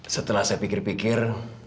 setelah saya pikir pikir